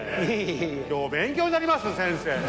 今日勉強になります先生！